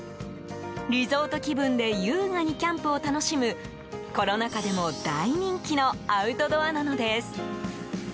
リゾート気分で優雅にキャンプを楽しむコロナ禍でも大人気のアウトドアなのです。